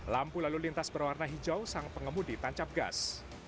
lampu lalu lintas berwarna hijau sang pengemudi tancap gas